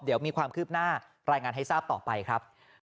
เดี๋ยวมีความคืบหน้ารายงานให้ทราบต่อไปครับ